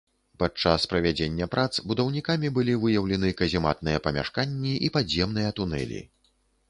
Падчас правядзення прац, будаўнікамі былі выяўлены казематныя памяшканні і падземныя тунэлі.